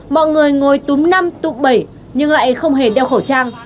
mọi người ngồi túm năm tụ bảy nhưng lại không hề đeo khẩu trang